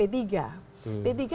p tiga menurut saya